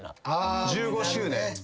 １５周年。